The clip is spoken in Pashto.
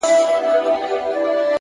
تمرکز ذهن واحد هدف ته بیایي.!